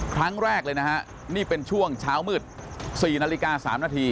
ครั้งแรกเลยนะฮะนี่เป็นช่วงเช้ามืด๔นาฬิกา๓นาที